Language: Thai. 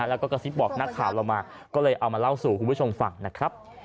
แล้วก็กระซิบบอกนักข่าวเรามาก็เลยเอามาเล่าสู่คุณผู้ชมฟังนะครับ